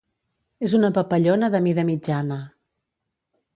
És una papallona de mida mitjana.